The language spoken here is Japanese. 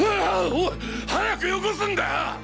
おい早くよこすんだよ！